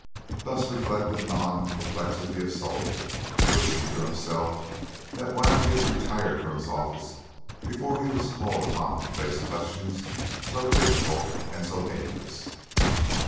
Thus reflected Nam in perplexity of soul, wishing to himself the while that he had retired from his office before he was called upon to face questions so difficult and so dangerous.